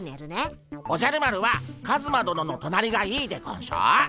おじゃる丸はカズマどののとなりがいいでゴンショ。